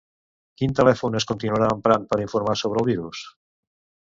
Quin telèfon es continuarà emprant per a informar sobre el virus?